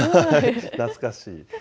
懐かしい。